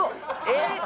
えっ？